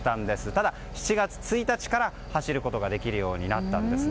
ただ、７月１日から走ることができるようになったんです。